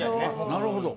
なるほど。